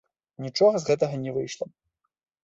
Нічога з гэтага не выйшла.